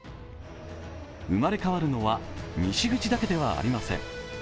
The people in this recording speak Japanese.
生まれ変わるのは西口だけではありません。